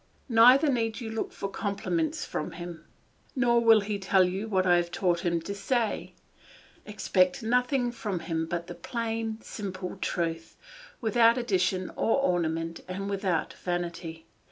Neither need you look for compliments from him; nor will he tell you what I have taught him to say; expect nothing from him but the plain, simple truth, without addition or ornament and without vanity.